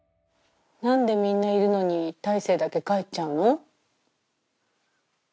何でみんないるのに大生だけ帰っちゃうの？